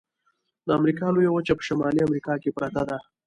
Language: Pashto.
د امریکا لویه وچه په شمالي امریکا کې پرته ده.